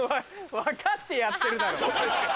分かってやってるだろ？